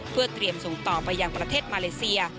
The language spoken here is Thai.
เพื่อเตรียมส่งต่อไปยังประเทศมาเลเซีย